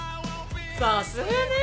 さすがねえ。